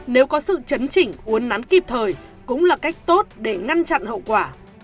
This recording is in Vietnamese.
nếu có sự chấn chỉnh uốn nắn kịp thời cũng là cách tốt để ngăn chặn hậu quả